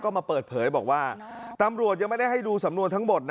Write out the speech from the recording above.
ก็มาเปิดเผยบอกว่าตำรวจยังไม่ได้ให้ดูสำนวนทั้งหมดนะ